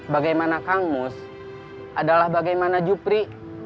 bagaimana kangus adalah bagaimana jopri